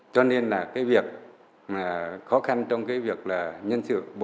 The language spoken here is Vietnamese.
cho nên là